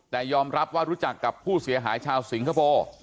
แต่ยอมรับว่ารู้จักกับผู้เสียหายชาวสิงคโปร์